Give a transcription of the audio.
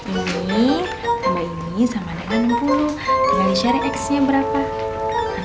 ini tambah ini sama dengan bu tinggal di share x nya berapa